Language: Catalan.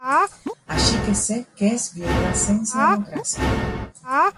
Així que sé què és viure sense democràcia.